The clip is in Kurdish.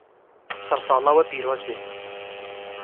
Sersala we pîroz be.